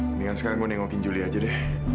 mendingan sekarang gue nengokin juli aja deh